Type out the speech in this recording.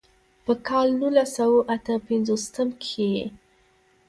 پۀ کال نولس سوه اتۀ پنځوستم کښې ئې